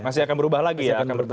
masih akan berubah lagi ya